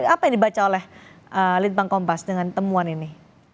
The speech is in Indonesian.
apa yang dibaca oleh litbang kompas dengan temuan ini